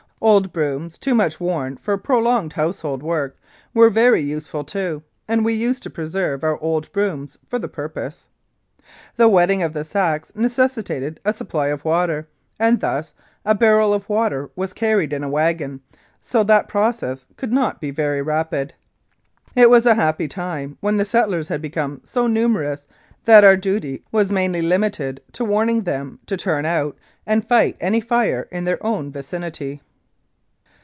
Old brooms, too much worn for prolonged household work, were very useful, too, and we used to preserve our old brooms for the purpose. The wetting of the sacks necessitated a supply of water, and thus a barrel of water was carried in a wagon, so that progress could not be very rapid. It was a happy time when the settlers had become so numerous that our duty was mainly limited to warning them to turn out and fight any fire in their own vicinity.